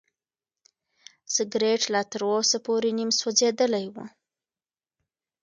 سګرټ لا تر اوسه پورې نیم سوځېدلی و.